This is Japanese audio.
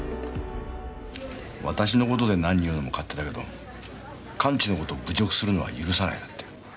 私のことで何言うのも勝手だけどカンチのこと、侮辱するのは許さないだって。